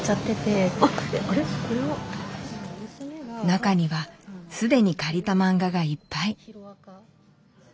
中には既に借りたマンガがいっぱい。